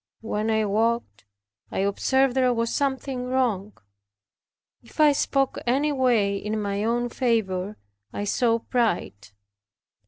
When I walked, I observed there was something wrong; if I spoke any way in my own favor, I saw pride.